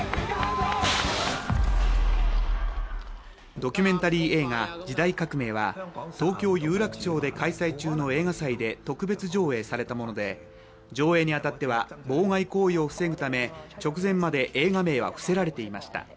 ドキュメンタリー映画「時代革命」は東京・有楽町で開催中の映画祭で特別上映されたもので、上映に当たっては妨害行為を防ぐため直前まで映画名は伏せられていました。